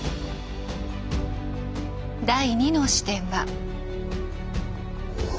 第２の視点は。